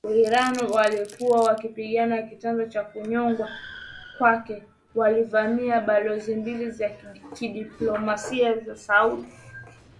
WaIran waliokuwa wakipinga kitendo cha kunyongwa kwake, walivamia balozi mbili za kidiplomasia za Saudi Arabia nchini Iran.